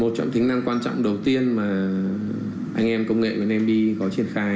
một trọng tính năng quan trọng đầu tiên mà anh em công nghệ với anh em đi có triển khai